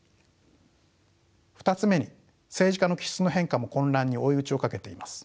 ２つ目に政治家の気質の変化も混乱に追い打ちをかけています。